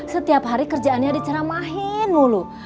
setiap hari kerjaannya diceramahin mulu